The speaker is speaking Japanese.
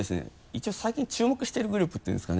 一応最近注目してるグループっていうんですかね